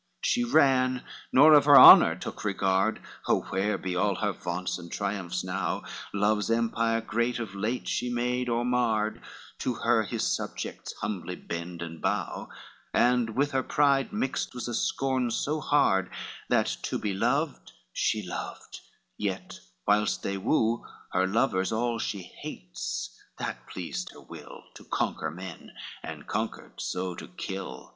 XXXVIII She ran, nor of her honor took regard, Oh where be all her vaunts and triumphs now? Love's empire great of late she made or marred, To her his subjects humbly bend and bow, And with her pride mixed was a scorn so hard, That to be loved she loved, yet whilst they woo Her lovers all she hates; that pleased her will To conquer men, and conquered so, to kill.